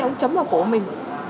ông ấy chấm vào cổ mình